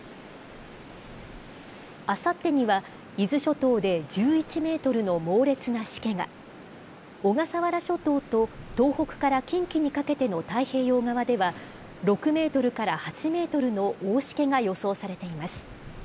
あさってには伊豆諸島で１１メートルの猛烈なしけが、小笠原諸島と東北から近畿にかけての太平洋側では、６メートルから８メートルの大しけが予想されています。